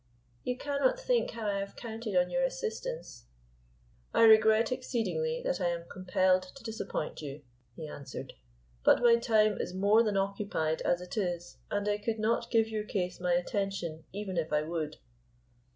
You cannot think how I have counted on your assistance." "I regret exceedingly that I am compelled to disappoint you," he answered. "But my time is more than occupied as it is, and I could not give your case my attention, even if I would."